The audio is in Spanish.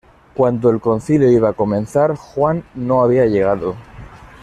Cuando el concilio iba a comenzar, Juan no había llegado.